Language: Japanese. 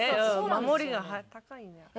守りが高いんや。